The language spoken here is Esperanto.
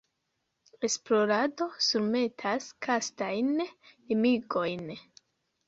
Esplorado surmetas kastajn limigojn.